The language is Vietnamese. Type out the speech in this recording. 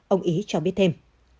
ông ý cho biết thêm